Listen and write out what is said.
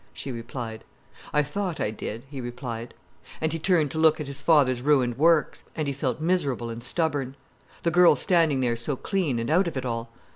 she replied. "I thought I did," he replied. And he turned to look at his father's ruined works, and he felt miserable and stubborn. The girl standing there so clean and out of it all!